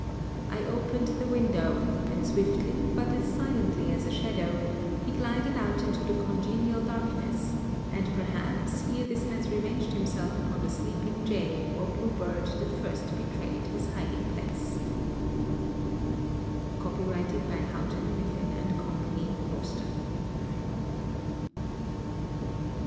I opened the window, and swiftly, but as silently as a shadow, he glided out into the congenial darkness, and perhaps ere this has revenged himself upon the sleeping jay or bluebird that first betrayed his hiding place. Copyrighted by Houghton, Mifflin and Company, Boston.